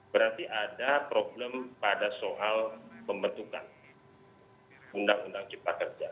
berarti ada problem pada soal pembentukan undang undang cipta kerja